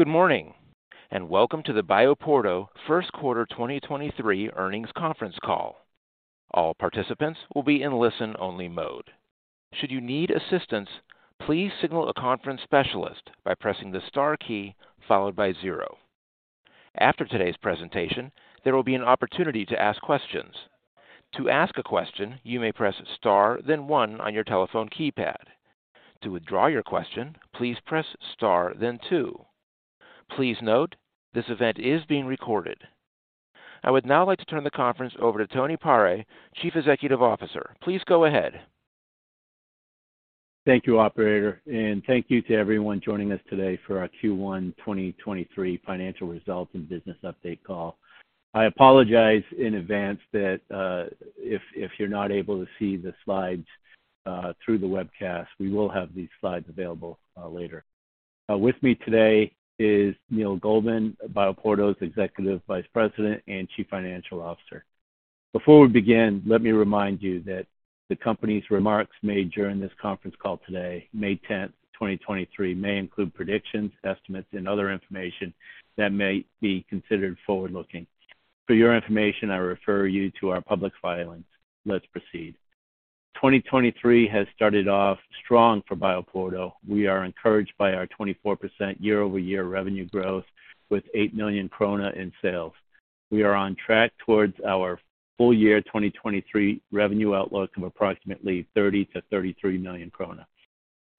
Good morning, and welcome to the BioPorto first quarter 2023 earnings conference call. All participants will be in listen-only mode. Should you need assistance, please signal a conference specialist by pressing the star key followed by zero. After today's presentation, there will be an opportunity to ask questions. To ask a question, you may press star then one on your telephone keypad. To withdraw your question, please press star then two. Please note, this event is being recorded. I would now like to turn the conference over to Tony Pare, Chief Executive Officer. Please go ahead. Thank you, operator. Thank you to everyone joining us today for our Q1 2023 financial results and business update call. I apologize in advance that if you're not able to see the slides through the webcast. We will have these slides available later. With me today is Neil Goldman, BioPorto's Executive Vice President and Chief Financial Officer. Before we begin, let me remind you that the company's remarks made during this conference call today, May 10, 2023, may include predictions, estimates, and other information that may be considered forward-looking. For your information, I refer you to our public filings. Let's proceed. 2023 has started off strong for BioPorto. We are encouraged by our 24% year-over-year revenue growth with 8 million krone in sales. We are on track towards our full year 2023 revenue outlook of approximately 30 million-33 million krone.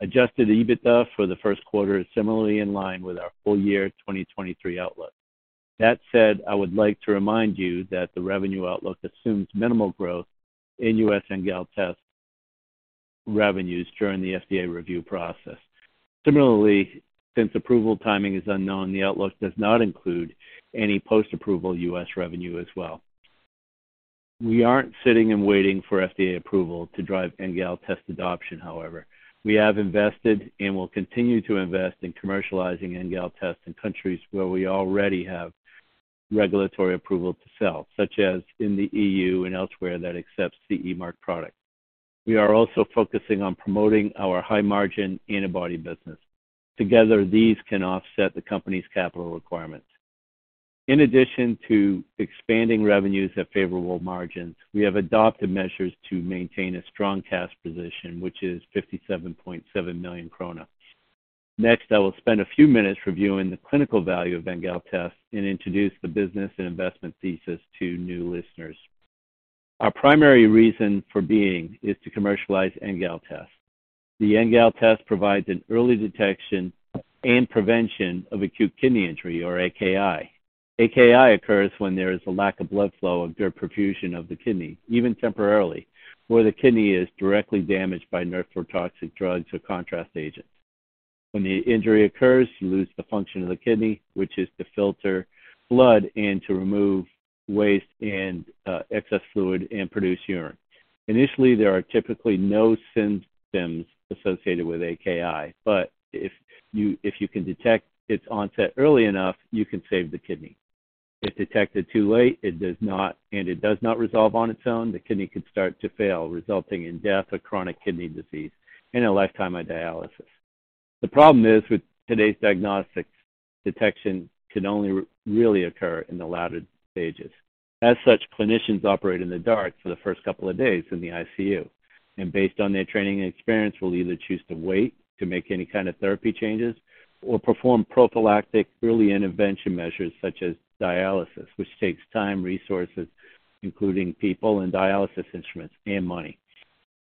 Adjusted EBITDA for the first quarter is similarly in line with our full year 2023 outlook. That said, I would like to remind you that the revenue outlook assumes minimal growth in U.S. NGAL Test revenues during the FDA review process. Similarly, since approval timing is unknown, the outlook does not include any post-approval U.S. revenue as well. We aren't sitting and waiting for FDA approval to drive NGAL Test adoption, however. We have invested and will continue to invest in commercializing NGAL Test in countries where we already have regulatory approval to sell, such as in the E.U. and elsewhere that accepts CE mark product. We are also focusing on promoting our high-margin antibody business. Together, these can offset the company's capital requirements. In addition to expanding revenues at favorable margins, we have adopted measures to maintain a strong cash position, which is 57.7 million krone. I will spend a few minutes reviewing the clinical value of The NGAL Test and introduce the business and investment thesis to new listeners. Our primary reason for being is to commercialize The NGAL Test. The NGAL Test provides an early detection and prevention of acute kidney injury or AKI. AKI occurs when there is a lack of blood flow or poor perfusion of the kidney, even temporarily, where the kidney is directly damaged by nephrotoxic drugs or contrast agents. The injury occurs, you lose the function of the kidney, which is to filter blood and to remove waste and excess fluid and produce urine. Initially, there are typically no symptoms associated with AKI, if you can detect its onset early enough, you can save the kidney. If detected too late, it does not resolve on its own, the kidney could start to fail, resulting in death or chronic kidney disease and a lifetime of dialysis. The problem is with today's diagnostics, detection can only really occur in the latter stages. As such, clinicians operate in the dark for the first couple of days in the ICU, and based on their training and experience, will either choose to wait to make any kind of therapy changes or perform prophylactic early intervention measures such as dialysis, which takes time, resources, including people and dialysis instruments and money.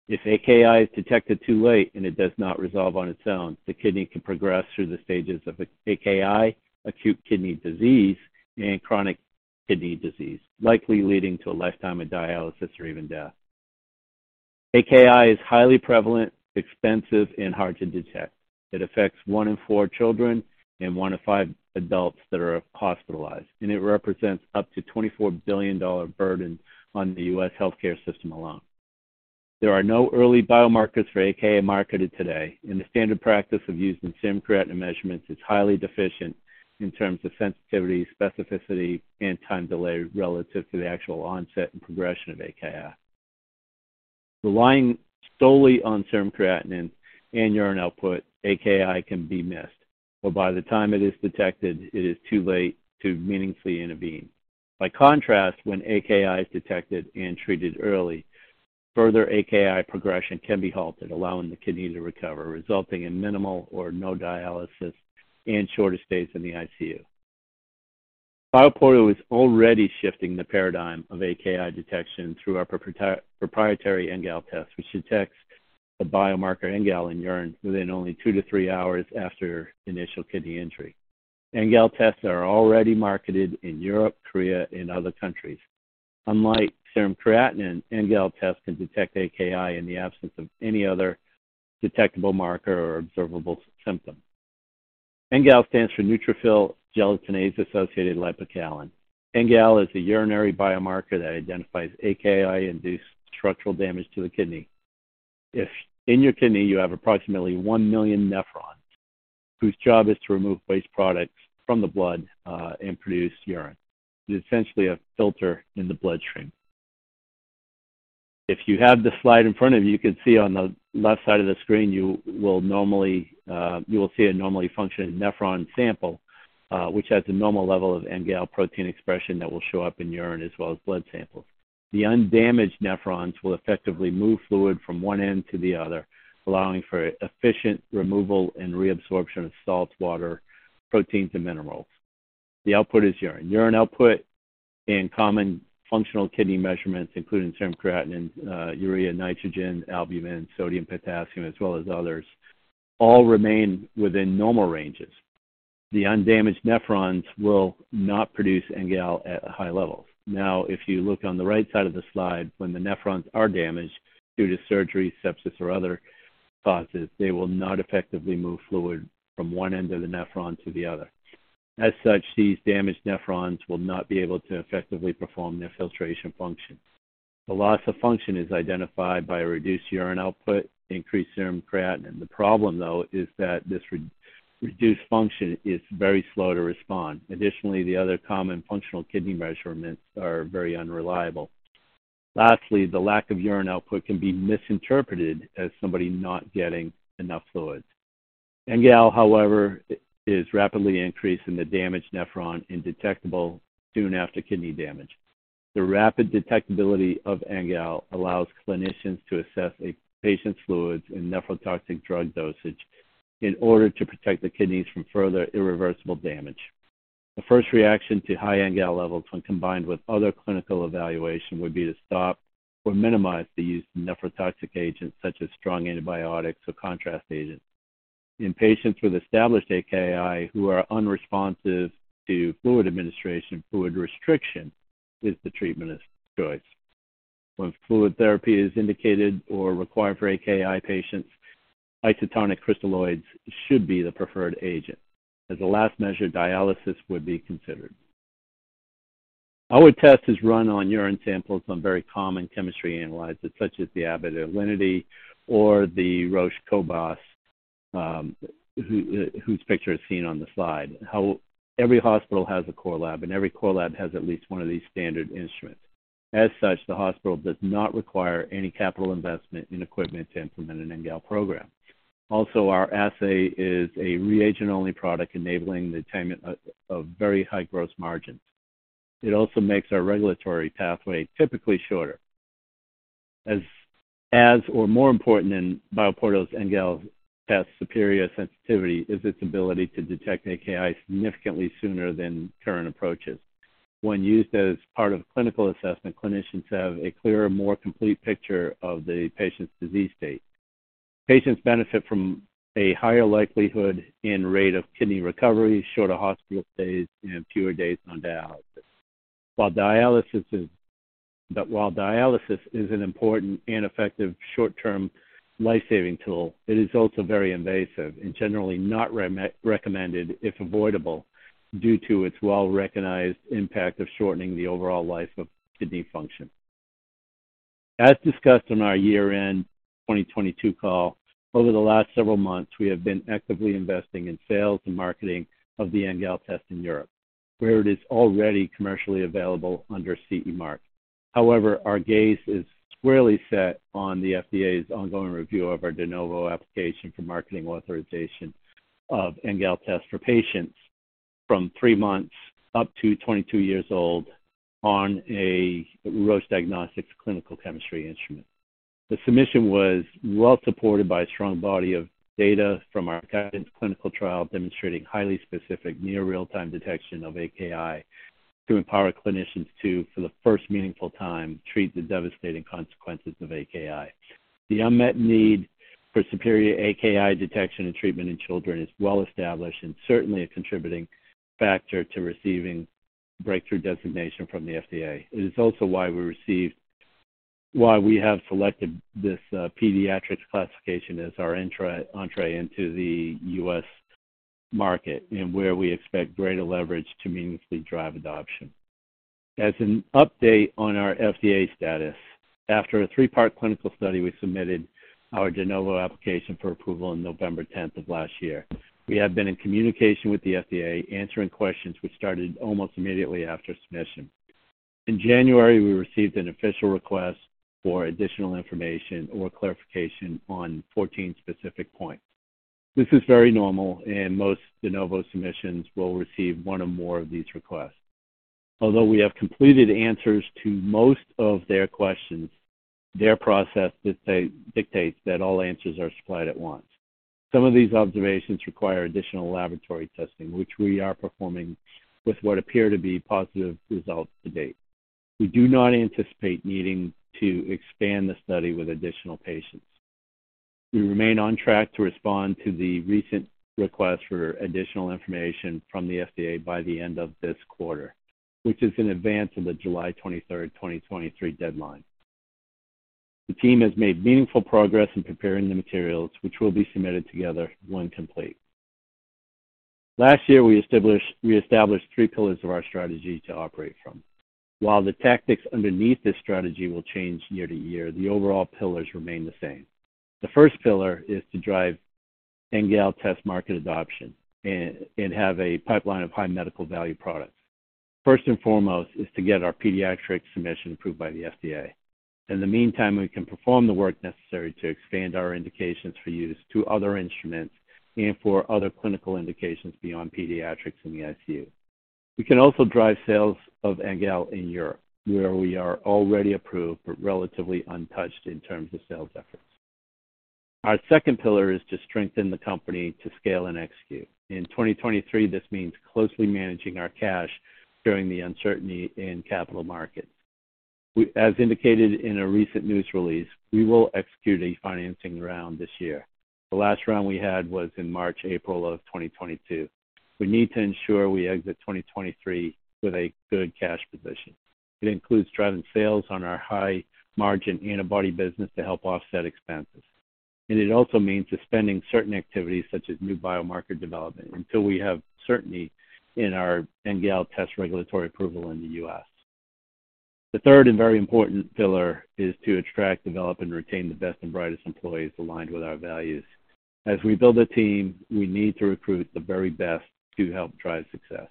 If AKI is detected too late and it does not resolve on its own, the kidney can progress through the stages of AKI, acute kidney disease, and chronic kidney disease, likely leading to a lifetime of dialysis or even death. AKI is highly prevalent, expensive, and hard to detect. It affects one in four children and one in five adults that are hospitalized, it represents up to $24 billion burden on the U.S. healthcare system alone. There are no early biomarkers for AKI marketed today, the standard practice of using serum creatinine measurements is highly deficient in terms of sensitivity, specificity, and time delay relative to the actual onset and progression of AKI. Relying solely on serum creatinine and urine output, AKI can be missed, or by the time it is detected, it is too late to meaningfully intervene. By contrast, when AKI is detected and treated early, further AKI progression can be halted, allowing the kidney to recover, resulting in minimal or no dialysis and shorter stays in the ICU. BioPorto is already shifting the paradigm of AKI detection through our proprietary NGAL Test, which detects the biomarker NGAL in urine within only two to three hours after initial kidney injury. NGAL Tests are already marketed in Europe, Korea, and other countries. Unlike serum creatinine, NGAL Test can detect AKI in the absence of any other detectable marker or observable symptom. NGAL stands for neutrophil gelatinase-associated lipocalin. NGAL is a urinary biomarker that identifies AKI-induced structural damage to the kidney. If in your kidney you have approximately one million nephron, whose job is to remove waste products from the blood, and produce urine. It is essentially a filter in the bloodstream. If you have the slide in front of you can see on the left side of the screen, you will normally see a normally functioning nephron sample, which has a normal level of NGAL protein expression that will show up in urine as well as blood samples. The undamaged nephrons will effectively move fluid from one end to the other, allowing for efficient removal and reabsorption of salts, water, proteins, and minerals. The output is urine. Urine output and common functional kidney measurements, including serum creatinine, urea nitrogen, albumin, sodium, potassium, as well as others, all remain within normal ranges. The undamaged nephrons will not produce NGAL at high levels. If you look on the right side of the slide, when the nephrons are damaged due to surgery, sepsis, or other causes, they will not effectively move fluid from one end of the nephron to the other. As such, these damaged nephrons will not be able to effectively perform their filtration function. The loss of function is identified by a reduced urine output, increased serum creatinine. The problem, though, is that this reduced function is very slow to respond. Additionally, the other common functional kidney measurements are very unreliable. Lastly, the lack of urine output can be misinterpreted as somebody not getting enough fluids. NGAL, however, is rapidly increased in the damaged nephron and detectable soon after kidney damage. The rapid detectability of NGAL allows clinicians to assess a patient's fluids and nephrotoxic drug dosage in order to protect the kidneys from further irreversible damage. The first reaction to high NGAL levels when combined with other clinical evaluation would be to stop or minimize the use of nephrotoxic agents such as strong antibiotics or contrast agents. In patients with established AKI who are unresponsive to fluid administration, fluid restriction is the treatment of choice. When fluid therapy is indicated or required for AKI patients, isotonic crystalloids should be the preferred agent. As a last measure, dialysis would be considered. Our test is run on urine samples on very common chemistry analyzers such as the Abbott Alinity or the Roche cobas, whose picture is seen on the slide. Every hospital has a core lab, and every core lab has at least one of these standard instruments. As such, the hospital does not require any capital investment in equipment to implement an NGAL program. Also, our assay is a reagent-only product enabling the attainment of very high gross margins. It also makes our regulatory pathway typically shorter. As or more important than BioPorto's NGAL test superior sensitivity is its ability to detect AKI significantly sooner than current approaches. When used as part of clinical assessment, clinicians have a clearer, more complete picture of the patient's disease state. Patients benefit from a higher likelihood and rate of kidney recovery, shorter hospital stays, and fewer days on dialysis. While dialysis is an important and effective short-term life-saving tool, it is also very invasive and generally not recommended if avoidable due to its well-recognized impact of shortening the overall life of kidney function. As discussed on our year-end 2022 call, over the last several months, we have been actively investing in sales and marketing of the NGAL test in Europe, where it is already commercially available under CE mark. However, our gaze is squarely set on the FDA's ongoing review of our De Novo application for marketing authorization of NGAL test for patients from three months up to 22 years old on a Roche Diagnostics clinical chemistry instrument. The submission was well-supported by a strong body of data from our GUIDANCE clinical trial demonstrating highly specific near real-time detection of AKI to empower clinicians to, for the first meaningful time, treat the devastating consequences of AKI. The unmet need for superior AKI detection and treatment in children is well-established and certainly a contributing factor to receiving Breakthrough designation from the FDA. It is also why we received why we have selected this pediatrics classification as our entrée into the U.S. market and where we expect greater leverage to meaningfully drive adoption. As an update on our FDA status, after a three-part clinical study, we submitted our De Novo application for approval on November 10th of last year. We have been in communication with the FDA, answering questions which started almost immediately after submission. In January, we received an official request for additional information or clarification on 14 specific points. This is very normal, and most De Novo submissions will receive one or more of these requests. Although we have completed answers to most of their questions, their process dictates that all answers are supplied at once. Some of these observations require additional laboratory testing, which we are performing with what appear to be positive results to date. We do not anticipate needing to expand the study with additional patients. We remain on track to respond to the recent request for additional information from the FDA by the end of this quarter, which is in advance of the July 23rd, 2023 deadline. The team has made meaningful progress in preparing the materials, which will be submitted together when complete. Last year, we established three pillars of our strategy to operate from. While the tactics underneath this strategy will change year to year, the overall pillars remain the same. The first pillar is to drive NGAL Test market adoption and have a pipeline of high medical value products. First and foremost is to get our pediatric submission approved by the FDA. In the meantime, we can perform the work necessary to expand our indications for use to other instruments and for other clinical indications beyond pediatrics in the ICU. We can also drive sales of NGAL in Europe, where we are already approved but relatively untouched in terms of sales efforts. Our second pillar is to strengthen the company to scale and execute. In 2023, this means closely managing our cash during the uncertainty in capital markets. As indicated in a recent news release, we will execute a financing round this year. The last round we had was in March, April of 2022. We need to ensure we exit 2023 with a good cash position. It includes driving sales on our high-margin antibody business to help offset expenses. It also means suspending certain activities such as new biomarker development until we have certainty in our NGAL test regulatory approval in the U.S. The third and very important pillar is to attract, develop, and retain the best and brightest employees aligned with our values. As we build a team, we need to recruit the very best to help drive success.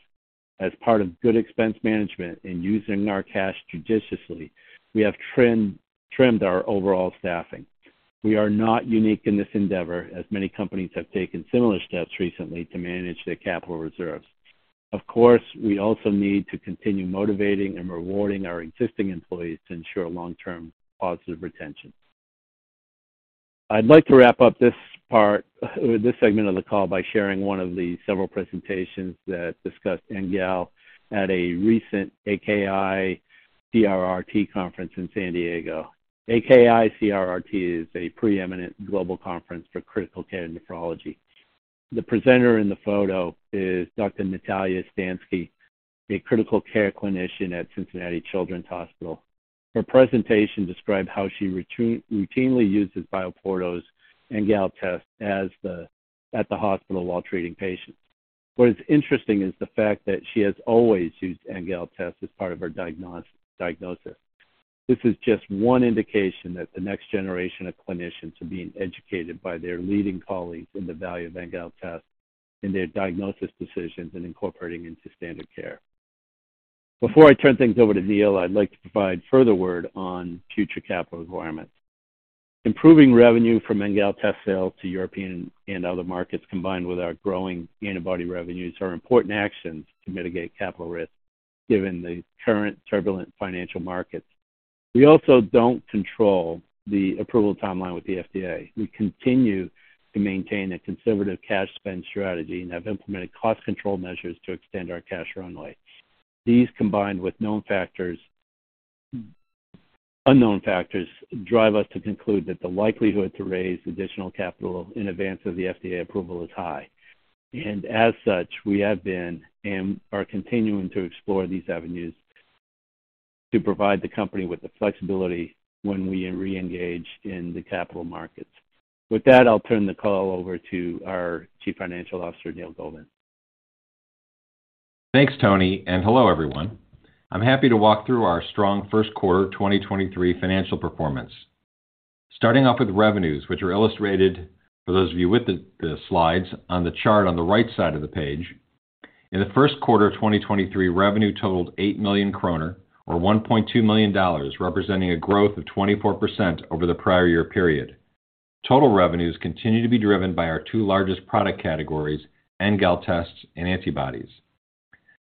As part of good expense management in using our cash judiciously, we have trimmed our overall staffing. We are not unique in this endeavor, as many companies have taken similar steps recently to manage their capital reserves. Of course, we also need to continue motivating and rewarding our existing employees to ensure long-term positive retention. I'd like to wrap up this part, this segment of the call by sharing one of the several presentations that discussed NGAL at a recent AKI & CRRT conference in San Diego. AKI & CRRT is a preeminent global conference for critical care nephrology. The presenter in the photo is Dr. Natalja Stanski, a critical care clinician at Cincinnati Children's Hospital Medical Center. Her presentation described how she routinely uses BioPorto's The NGAL Test at the hospital while treating patients. What is interesting is the fact that she has always used The NGAL Test as part of her diagnosis. This is just one indication that the next generation of clinicians are being educated by their leading colleagues in the value of The NGAL Test in their diagnosis decisions and incorporating into standard care. Before I turn things over to Neil, I'd like to provide further word on future capital requirements. Improving revenue from The NGAL Test sales to European and other markets, combined with our growing antibody revenues, are important actions to mitigate capital risk given the current turbulent financial markets. We also don't control the approval timeline with the FDA. We continue to maintain a conservative cash spend strategy and have implemented cost control measures to extend our cash runway. These, combined with Unknown factors, drive us to conclude that the likelihood to raise additional capital in advance of the FDA approval is high. As such, we have been and are continuing to explore these avenues to provide the company with the flexibility when we reengage in the capital markets. With that, I'll turn the call over to our Chief Financial Officer, Neil Goldman. Thanks, Tony, hello, everyone. I'm happy to walk through our strong first quarter 2023 financial performance. Starting off with revenues, which are illustrated for those of you with the slides on the chart on the right side of the page. In the first quarter of 2023, revenue totaled 8 million kroner, or $1.2 million, representing a growth of 24% over the prior year period. Total revenues continue to be driven by our two largest product categories, NGAL tests and antibodies.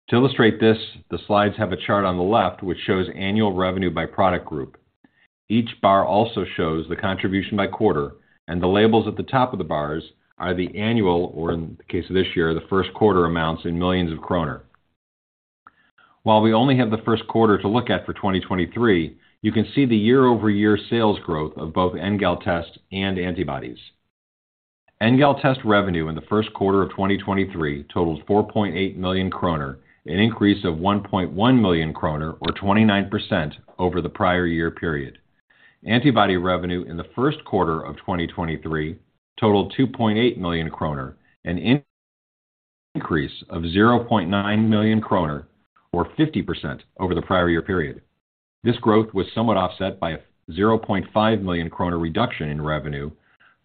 To illustrate this, the slides have a chart on the left which shows annual revenue by product group. Each bar also shows the contribution by quarter, the labels at the top of the bars are the annual, or in the case of this year, the first quarter, amounts in millions of DKK. While we only have the first quarter to look at for 2023, you can see the year-over-year sales growth of both NGAL tests and antibodies. NGAL test revenue in the first quarter of 2023 totaled 4.8 million kroner, an increase of 1.1 million kroner or 29% over the prior year period. Antibody revenue in the first quarter of 2023 totaled 2.8 million kroner, an increase of 0.9 million kroner or 50% over the prior year period. This growth was somewhat offset by a 0.5 million kroner reduction in revenue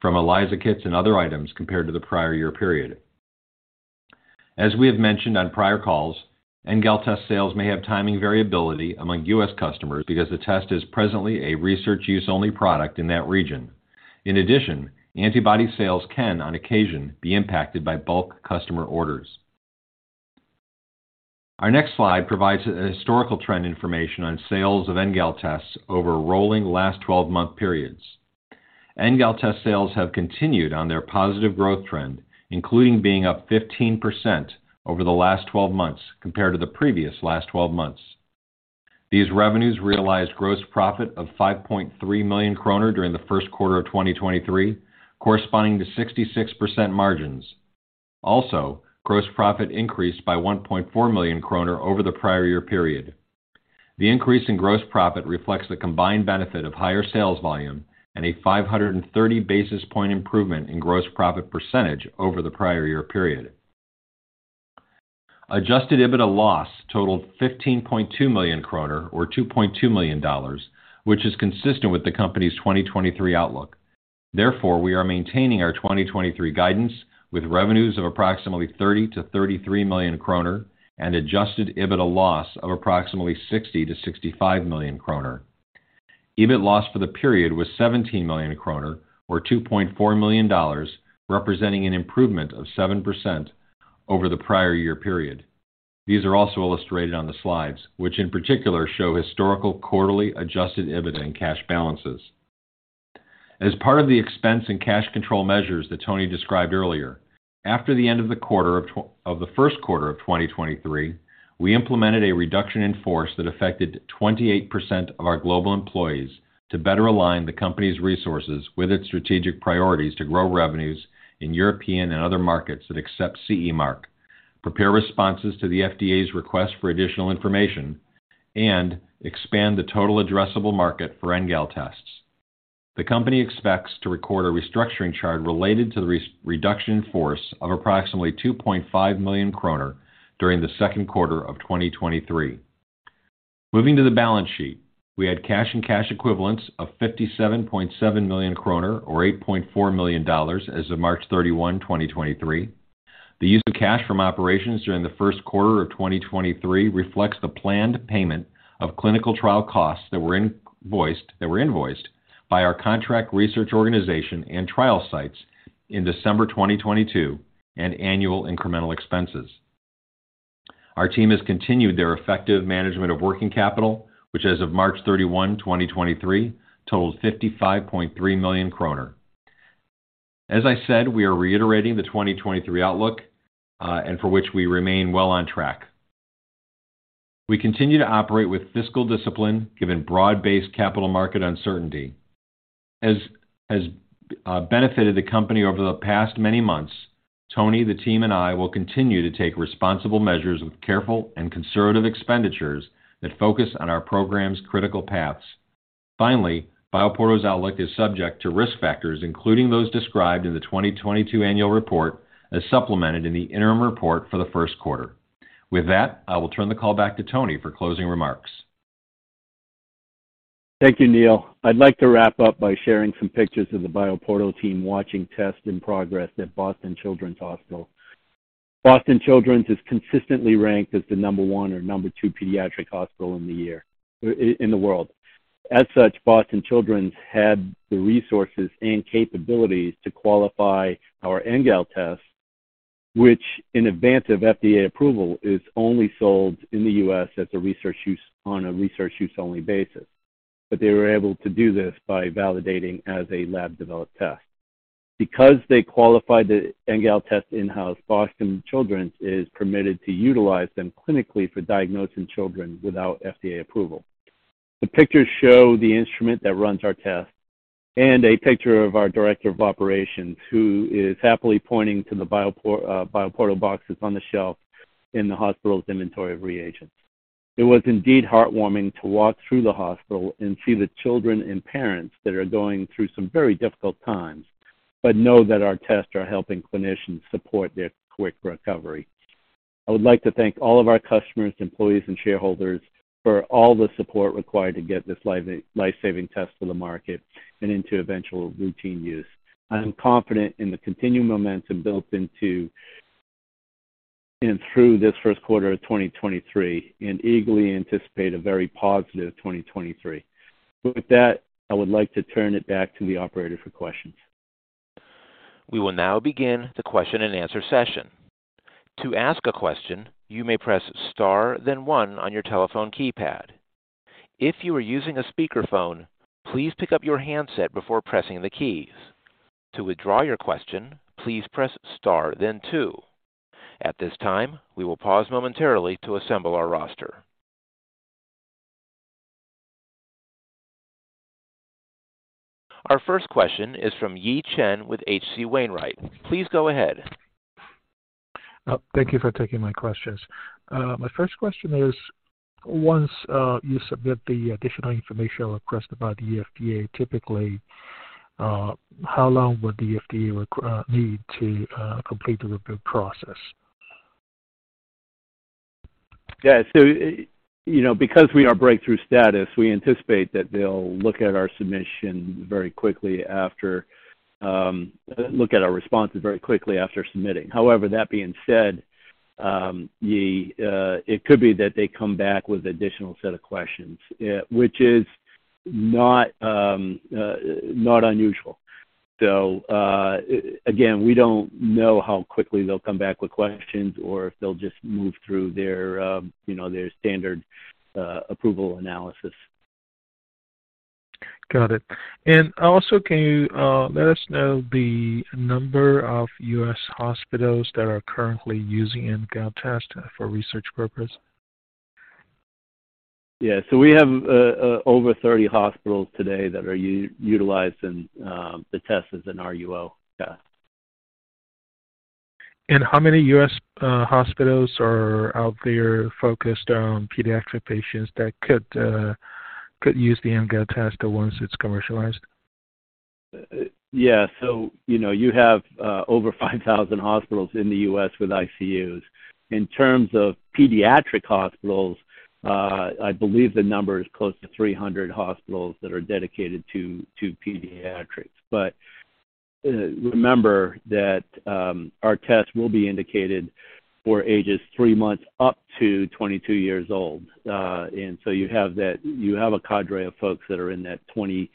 from ELISA kits and other items compared to the prior year period. As we have mentioned on prior calls, NGAL test sales may have timing variability among U.S. customers because the test is presently a research use only product in that region. In addition, antibody sales can, on occasion, be impacted by bulk customer orders. Our next slide provides historical trend information on sales of NGAL Test over rolling last 12-month periods. NGAL Test sales have continued on their positive growth trend, including being up 15% over the last 12 months compared to the previous last 12 months. These revenues realized gross profit of 5.3 million kroner during the first quarter of 2023, corresponding to 66% margins. Gross profit increased by 1.4 million kroner over the prior year period. The increase in gross profit reflects the combined benefit of higher sales volume and a 530 basis point improvement in gross profit percentage over the prior year period. Adjusted EBITDA loss totaled 15.2 million kroner, or $2.2 million, which is consistent with the company's 2023 outlook. Therefore, we are maintaining our 2023 guidance with revenues of approximately 30 million-33 million kroner and adjusted EBITDA loss of approximately 60 million-65 million kroner. EBIT loss for the period was 17 million kroner, or $2.4 million, representing an improvement of 7% over the prior year period. These are also illustrated on the slides, which in particular show historical quarterly adjusted EBITDA and cash balances. As part of the expense and cash control measures that Tony described earlier, after the end of the quarter of the first quarter of 2023, we implemented a reduction in force that affected 28% of our global employees to better align the company's resources with its strategic priorities to grow revenues in European and other markets that accept CE mark, prepare responses to the FDA's request for additional information and expand the total addressable market for NGAL tests. The company expects to record a restructuring charge related to the reduction in force of approximately 2.5 million kroner during the second quarter of 2023. Moving to the balance sheet, we had cash and cash equivalents of 57.7 million kroner, or $8.4 million as of March 31, 2023. The use of cash from operations during the first quarter of 2023 reflects the planned payment of clinical trial costs that were invoiced by our contract research organization and trial sites in December 2022 and annual incremental expenses. Our team has continued their effective management of working capital, which as of March 31, 2023 totaled 55.3 million kroner. As I said, we are reiterating the 2023 outlook, for which we remain well on track. We continue to operate with fiscal discipline, given broad-based capital market uncertainty. As benefited the company over the past many months, Tony, the team, and I will continue to take responsible measures with careful and conservative expenditures that focus on our program's critical paths. Finally, BioPorto's outlook is subject to risk factors, including those described in the 2022 annual report, as supplemented in the interim report for the first quarter. With that, I will turn the call back to Tony for closing remarks. Thank you, Neil. I'd like to wrap up by sharing some pictures of the BioPorto team watching tests in progress at Boston Children's Hospital. Boston Children's is consistently ranked as the number one or number two pediatric hospital in the world. As such, Boston Children's had the resources and capabilities to qualify our NGAL test, which in advance of FDA approval, is only sold in the U.S. on a research use only basis. They were able to do this by validating as a laboratory-developed test. They qualified the NGAL test in-house, Boston Children's is permitted to utilize them clinically for diagnosing children without FDA approval. The pictures show the instrument that runs our test and a picture of our director of operations, who is happily pointing to the BioPorto boxes on the shelf in the hospital's inventory of reagents. It was indeed heartwarming to walk through the hospital and see the children and parents that are going through some very difficult times, but know that our tests are helping clinicians support their quick recovery. I would like to thank all of our customers, employees, and shareholders for all the support required to get this life-saving test to the market and into eventual routine use. I am confident in the continued momentum built into and through this first quarter of 2023 and eagerly anticipate a very positive 2023. With that, I would like to turn it back to the operator for questions. We will now begin the question and answer session. To ask a question, you may press star then one on your telephone keypad. If you are using a speakerphone, please pick up your handset before pressing the keys. To withdraw your question, please press star then two. At this time, we will pause momentarily to assemble our roster. Our first question is from Yi Chen with H.C. Wainwright. Please go ahead. Thank you for taking my questions. My first question is, once you submit the additional information requested by the FDA, typically, how long would the FDA need to complete the review process? Yeah. You know, because we are Breakthrough status, we anticipate that they'll look at our responses very quickly after submitting. However, that being said, Yi, it could be that they come back with additional set of questions, which is not unusual. Again, we don't know how quickly they'll come back with questions or if they'll just move through their, you know, their standard approval analysis. Got it. Also, can you let us know the number of U.S. hospitals that are currently using The NGAL Test for research purpose? Yeah. We have over 30 hospitals today that are utilizing the test as an RUO, yeah. How many U.S. hospitals are out there focused on pediatric patients that could use the NGAL test once it's commercialized? You know, you have over 5,000 hospitals in the U.S. with ICUs. In terms of pediatric hospitals, I believe the number is close to 300 hospitals that are dedicated to pediatrics. Remember that our test will be indicated for ages three months up to 22 years old. You have a cadre of folks that are in that 20,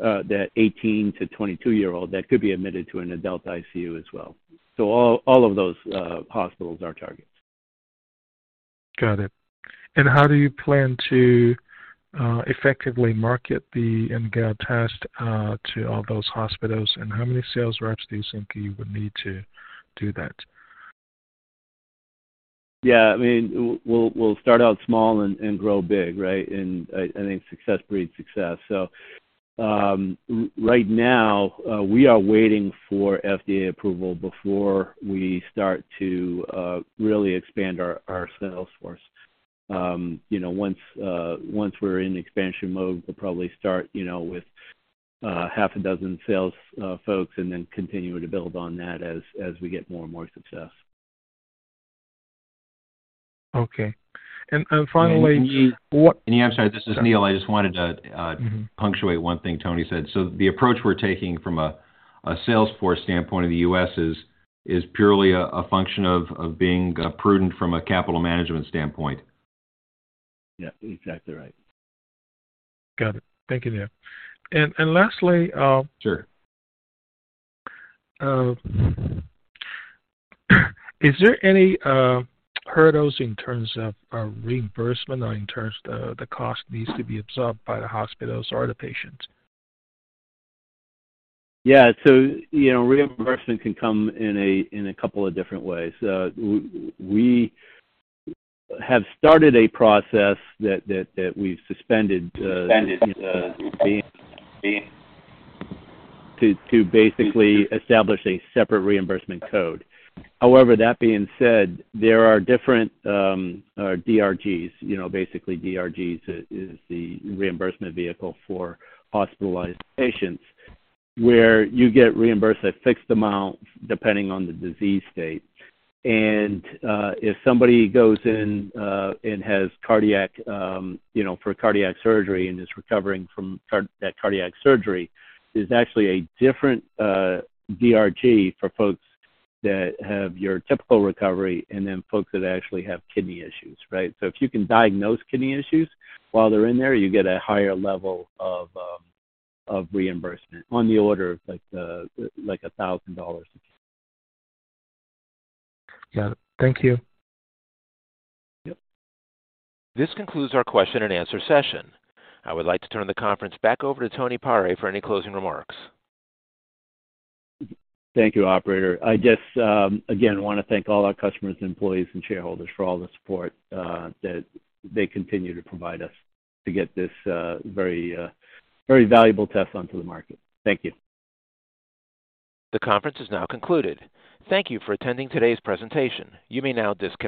that 18 to 22-year-old that could be admitted to an adult ICU as well. All of those hospitals are targets. Got it. How do you plan to effectively market The NGAL Test to all those hospitals? How many sales reps do you think you would need to do that? Yeah, I mean, we'll start out small and grow big, right? I think success breeds success. Right now, we are waiting for FDA approval before we start to really expand our sales force. You know, once we're in expansion mode, we'll probably start, you know, with six sales folks and then continue to build on that as we get more and more success. Okay. Finally. And we- What- Yeah. I'm sorry. This is Neil. I just wanted to. Mm-hmm Punctuate one thing Tony said. The approach we're taking from a sales force standpoint in the U.S. is purely a function of being prudent from a capital management standpoint. Yeah, exactly right. Got it. Thank you, Neil. Lastly. Sure. Is there any hurdles in terms of reimbursement or in terms of the cost needs to be absorbed by the hospitals or the patients? You know, reimbursement can come in a couple of different ways. We have started a process that we've suspended to basically establish a separate reimbursement code. However, that being said, there are different DRGs. You know, basically DRGs is the reimbursement vehicle for hospitalized patients, where you get reimbursed a fixed amount depending on the disease state. If somebody goes in and has cardiac, you know, for cardiac surgery and is recovering from that cardiac surgery, there's actually a different DRG for folks that have your typical recovery and then folks that actually have kidney issues, right? So if you can diagnose kidney issues while they're in there, you get a higher level of reimbursement on the order of, like, $1,000. Got it. Thank you. Yep. This concludes our question and answer session. I would like to turn the conference back over to Tony Pare for any closing remarks. Thank you, operator. I just, again, wanna thank all our customers, employees, and shareholders for all the support that they continue to provide us to get this, very, very valuable test onto the market. Thank you. The conference is now concluded. Thank you for attending today's presentation. You may now disconnect.